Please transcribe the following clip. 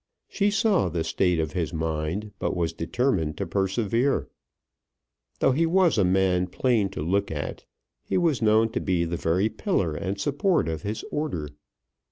She saw the state of his mind, but was determined to persevere. Though he was a man plain to look at, he was known to be the very pillar and support of his order.